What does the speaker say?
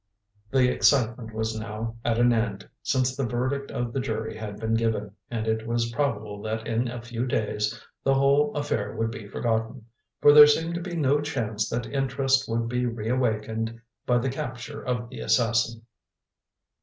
The excitement was now at an end, since the verdict of the jury had been given, and it was probable that in a few days the whole affair would be forgotten, for there seemed to be no chance that interest would be re awakened by the capture of the assassin.